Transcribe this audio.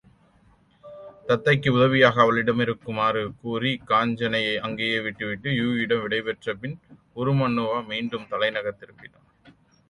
தத்தைக்கு உதவியாக அவளிடமிருக்குமாறு கூறிக் காஞ்சனையை அங்கேயே விட்டுவிட்டு யூகியிடம் விடைபெற்ற பின் உருமண்ணுவா மீண்டும் தலைநகர் திரும்பினான்.